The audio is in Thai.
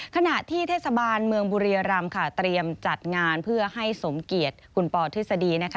ขณะที่เทศบาลเมืองบุรียรำค่ะเตรียมจัดงานเพื่อให้สมเกียรติคุณปอทฤษฎีนะคะ